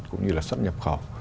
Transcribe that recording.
cũng như là sắp nhập khẩu